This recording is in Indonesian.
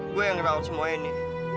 gue yang ngeround semua ini